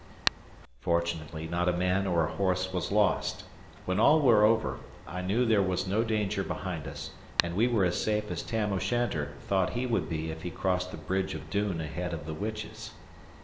Fortunately not a man or a horse was lost. When all were over, I knew there was no danger behind us, and that we were as safe as Tam O'Shanter thought he would be if he crossed the bridge of Doon ahead of the witches.